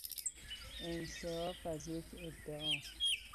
انصراف از یک ادعا